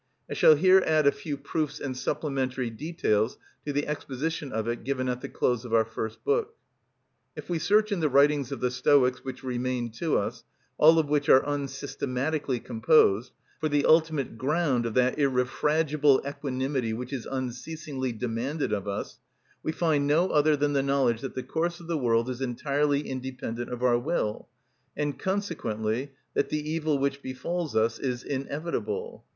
I shall here add a few proofs and supplementary details to the exposition of it given at the close of our first book. If we search in the writings of the Stoics which remain to us, all of which are unsystematically composed, for the ultimate ground of that irrefragible equanimity which is unceasingly demanded of us, we find no other than the knowledge that the course of the world is entirely independent of our will, and consequently, that the evil which befalls us is inevitable.